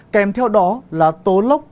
kèm theo đó là tô lóc